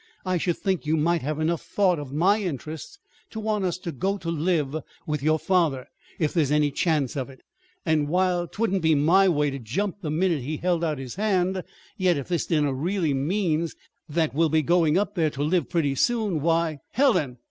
I should think you might have enough thought of my interests to want us to go to live with your father, if there's any chance of it. And while 'twouldn't be my way to jump the minute he held out his hand, yet if this dinner really means that we'll be going up there to live pretty soon, why " "Helen!"